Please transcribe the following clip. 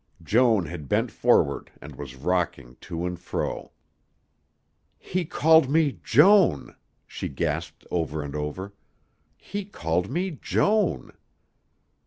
Joan had bent forward and was rocking to and fro. "He called me 'Joan,'" she gasped over and over. "He called me 'Joan.'"